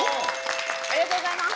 ありがとうございます。